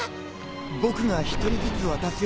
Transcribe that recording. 僕が１人ずつ渡すよ。